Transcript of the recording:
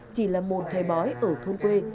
chỉ là môn thay bói ở thôn quê